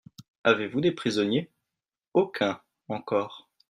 Avez-vous des prisonniers ? Aucun encore.